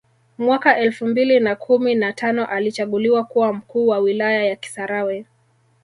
Mwaka elfu mbili na kumi na tano alichaguliwa kuwa mkuu wa wilaya ya kisarawe